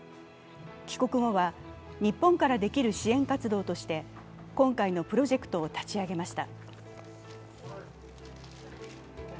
帰国後は日本からできる支援活動として今回のプロジェクトを立ち上げました。